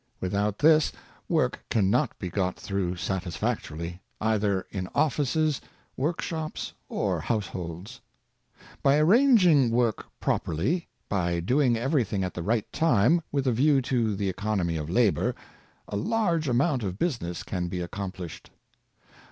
Without this, work can not be got through satisfactorily, either in offices, workshops, or households. By arranging work properly, by doing everything at the right time, with a view to the econ Industry and Punctuality, 2 1 omy of labor, a large amount of business can be ac complished.